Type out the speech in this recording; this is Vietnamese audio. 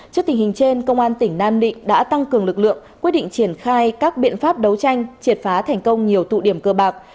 trước tình hình trên công an tỉnh nam định đã tăng cường lực lượng quyết định triển khai các biện pháp đấu tranh triệt phá thành công nhiều tụ điểm cơ bạc